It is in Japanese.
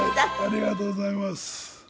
ありがとうございます。